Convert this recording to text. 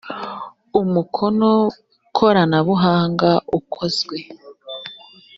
umukono koranabuhanga ukozwe